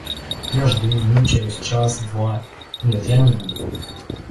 Я жду, мучаюсь, час, два... Нет, я не буду!..